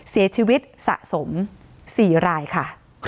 เสียชีวิตสะสม๔รายค่ะ